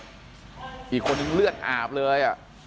อีกคนนึงเลือดอาบเลย